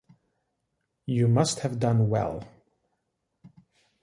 You must have done well.